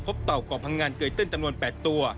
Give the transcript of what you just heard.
เต่าก่อพังงานเกยตื้นจำนวน๘ตัว